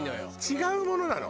違うものなの。